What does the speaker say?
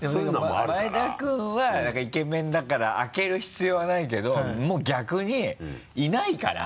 前田君はイケメンだから開ける必要はないけどもう逆にいないから。